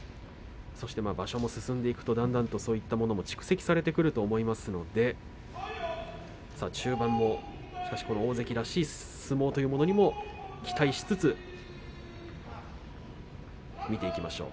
場所が進んでくるとそういったものも蓄積されてくるかもしれませんのでしかし中盤も大関らしい相撲というものに期待しつつ見ていきましょう。